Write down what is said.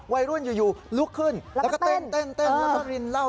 วัยรุ่นอยู่ลุกขึ้นแล้วก็เต้นแล้วก็รินเหล้า